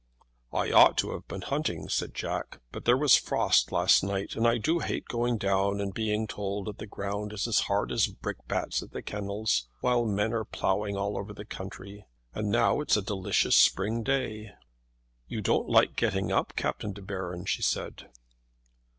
"I ought to have been hunting," said Jack; "but there was frost last night, and I do hate going down and being told that the ground is as hard as brickbats at the kennels, while men are ploughing all over the country. And now it's a delicious spring day." "You didn't like getting up, Captain De Baron," she said.